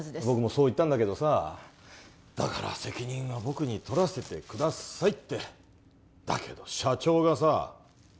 僕もそう言ったんだけどさだから責任は僕にとらせてくださいってだけど社長がさ